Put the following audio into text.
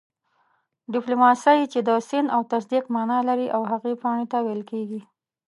ډيپلوماسۍ چې د سند او تصديق مانا لري او هغې پاڼي ته ويل کيږي